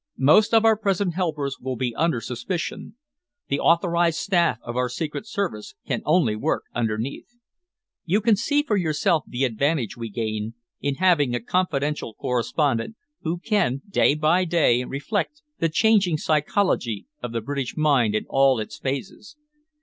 Most of our present helpers will be under suspicion. The authorised staff of our secret service can only work underneath. You can see for yourself the advantage we gain in having a confidential correspondent who can day by day reflect the changing psychology of the British mind in all its phases.